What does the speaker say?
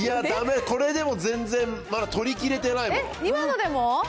だめ、これでも全然まだ取りきれてないもん。